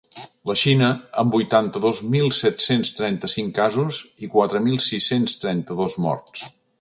La Xina, amb vuitanta-dos mil set-cents trenta-cinc casos i quatre mil sis-cents trenta-dos morts.